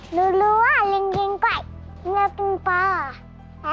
หนูรู้ว่าลิงก็ไม่เป็นเปล่าอ่ะ